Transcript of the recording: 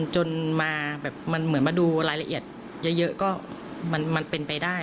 จนมาแบบมันเหมือนมาดูรายละเอียดเยอะก็มันเป็นไปได้